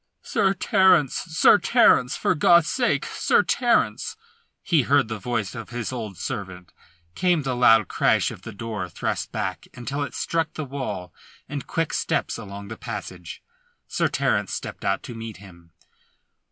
"Sir Terence! Sir Terence! For God's sake, Sir Terence!" he heard the voice of his old servant. Came the loud crash of the door thrust back until it struck the wall and quick steps along the passage. Sir Terence stepped out to meet him.